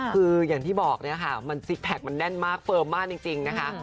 คืออย่างที่บอกเนี่ยค่ะมันซิกแพคมันแน่นมากเฟิร์มมากจริงนะคะ